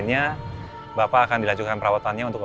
jadi mohon permakrumannya ya no